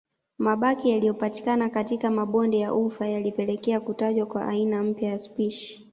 Mabaki yaliyopatikana katika mabonde ya ufa yalipelekea kutajwa kwa aina mpya ya spishi